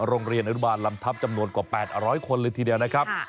อนุบาลลำทัพจำนวนกว่า๘๐๐คนเลยทีเดียวนะครับ